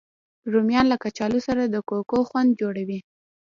رومیان له کچالو سره د کوکو خوند جوړوي